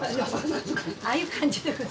ああいう感じで。